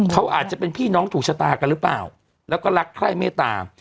เขาอาจจะเป็นพี่น้องถูกชะตากันหรือเปล่าแล้วก็รักใคร่เมตตา